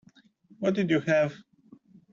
What did you have?